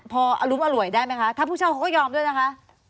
พออรุมอร่วยได้ไหมคะถ้าผู้เช่าเขาก็ยอมด้วยนะคะ